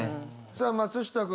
さあ松下君。